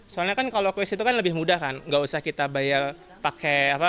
soalnya kan kalau kris itu kan lebih mudah kan gak usah kita bayar pakai